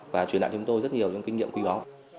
và truyền lại cho chúng tôi rất nhiều kinh nghiệm quý bó